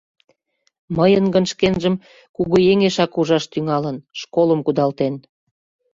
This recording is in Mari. — Мыйын гын шкенжым кугыеҥешак ужаш тӱҥалын... школым кудалтен.